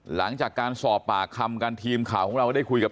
หลังจากการสอบปากคำกันทีมข่าวของเราได้คุยกับ